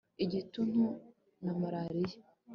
igituntu na malariya